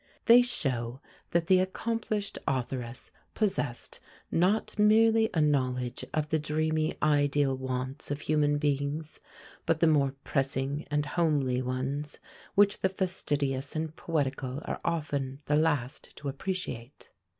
They show that the accomplished authoress possessed, not merely a knowledge of the dreamy ideal wants of human beings, but the more pressing and homely ones, which the fastidious and poetical are often the last to appreciate.